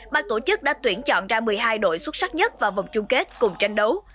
ban tổ chức đã tuyển chọn ra một mươi hai đội xuất sắc nhất vào vòng chung kết cùng tranh đấu